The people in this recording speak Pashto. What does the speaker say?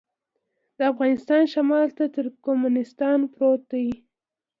د افغانستان شمال ته ترکمنستان پروت دی